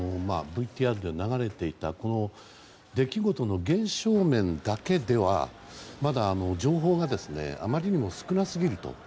今、ＶＴＲで流れていた出来事の現象面だけではまだ情報があまりにも少なすぎると。